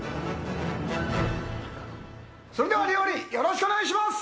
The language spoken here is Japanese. それでは、料理、よろしくお願いします！